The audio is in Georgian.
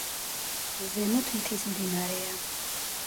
ზემოთ მთის მდინარეა.